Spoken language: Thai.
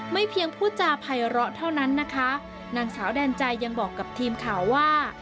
เพียงผู้จาภัยร้อเท่านั้นนะคะนางสาวแดนใจยังบอกกับทีมข่าวว่า